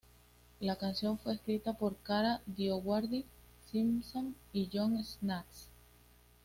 La canción fue escrita por Kara DioGuardi, Simpson y John Shanks.